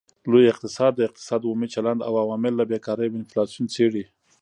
لوی اقتصاد د اقتصاد عمومي چلند او عوامل لکه بیکاري او انفلاسیون څیړي